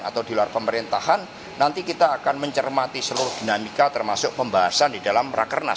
atau di luar pemerintahan nanti kita akan mencermati seluruh dinamika termasuk pembahasan di dalam rakernas